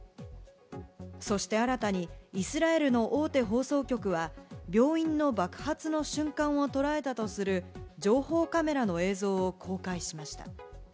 そして新たにイスラエルの大手放送局は病院の爆発の瞬間を捉えたとする情報カメラの映像を公開しました。